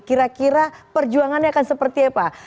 kira kira perjuangannya akan seperti apa